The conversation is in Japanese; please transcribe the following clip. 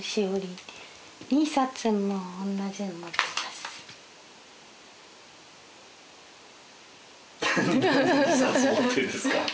何で２冊持ってんですか？